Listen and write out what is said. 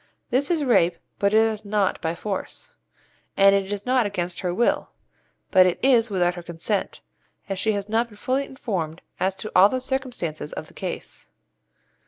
This is rape, but it is not 'by force,' and it is not 'against her will,' but it is 'without her consent,' as she has not been fully informed as to all the circumstances of the case.